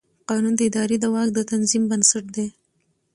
قانون د ادارې د واک د تنظیم بنسټ دی.